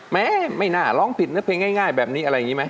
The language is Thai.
แม่ไม่น่าร้องผิดนะเพลงง่ายแบบนี้อะไรอย่างนี้ไหม